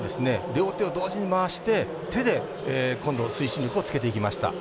両手を同時に回して、手で今度推進力をつけていきました。